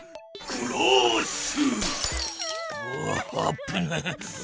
クラッシュ！